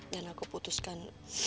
dan aku putuskan